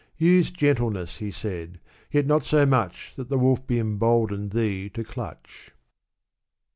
" Use gentleness/' he said, "yet not so much, That the wolf be emboldened thee to clutch."